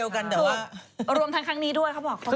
คือรวมทั้งครั้งนี้ด้วยเขาบอก